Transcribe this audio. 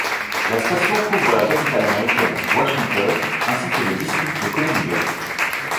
La station couvre la capitale américaine, Washington, ainsi que le district de Columbia.